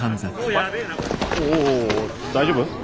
お大丈夫？